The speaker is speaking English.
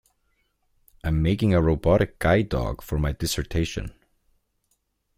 I'm making a robotic guide dog for my dissertation.